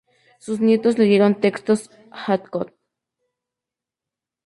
Sus nietos leyeron textos "ad hoc.